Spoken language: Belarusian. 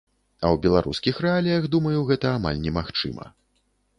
А ў беларускіх рэаліях, думаю, гэта амаль немагчыма.